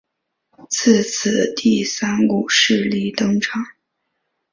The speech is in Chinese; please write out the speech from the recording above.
自此第三股势力登场。